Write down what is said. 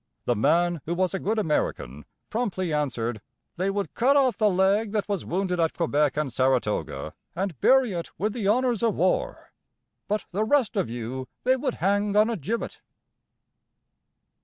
The man, who was a good American, promptly answered: "They would cut off the leg that was wounded at Quebec and Saratoga, and bury it with the honors of war; but the rest of you they would hang on a gibbet."